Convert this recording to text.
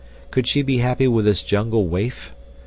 Could she be happy with this jungle waif?